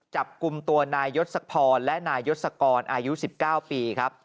จับกลุ่มตัวนายยศพรและนายยศกรอายุ๑๙ปีครับ